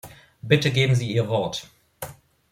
Bitte geben Sie Ihr Wort!